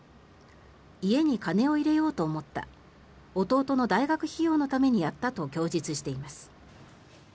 家に金を入れようと思った弟の大学費用のためにやったと供述しています。